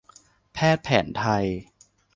แพทย์แผนไทย